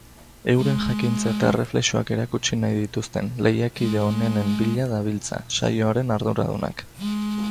Euren jakintza eta erreflexuak erakutsi nahi dituzten lehiakide onenen bila dabiltza saioaren arduradunak.